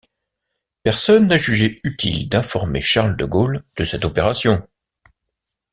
Personne n’a jugé utile d’informer Charles de Gaulle de cette opération.